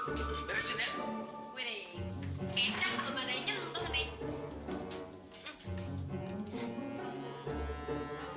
wih deh kecap lo pada inget lo tuh nih